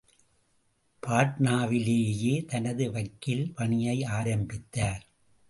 பாட்னாவிலேயே தனது வக்கீல் பணியை ஆரம்பித்தார்.